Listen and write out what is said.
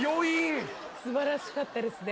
素晴らしかったですね。